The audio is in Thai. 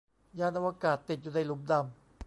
ยานอวกาศติดอยู่ในหลุมดำ